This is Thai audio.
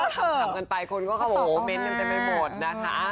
ถามกันไปคนก็บอกว่าคอมเม้นต์กันไปหมดนะคะ